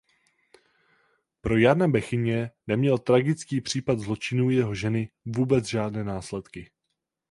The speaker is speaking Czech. Pro Jana Bechyně neměl tragický případ zločinů jeho ženy vůbec žádné následky.